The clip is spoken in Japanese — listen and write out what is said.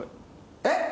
えっ？